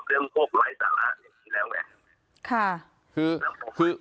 ผมเป็นคนกำลังจะกล้ามาพี่เชื่อ